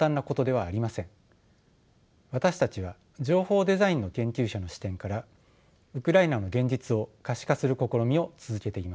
私たちは情報デザインの研究者の視点からウクライナの現実を可視化する試みを続けています。